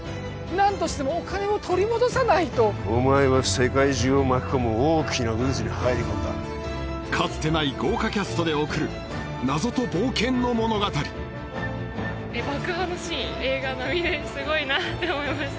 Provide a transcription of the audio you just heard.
何としてもお金を取り戻さないとお前は世界中を巻き込む大きな渦に入り込んだかつてない豪華キャストで贈る謎と冒険の物語爆破のシーン映画並みですごいなって思いました